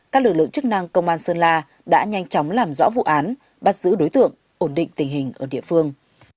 các lực lượng chức năng công an sơn la đã nhanh chóng làm rõ vụ án bắt giữ đối tượng ổn định tình hình ở địa phương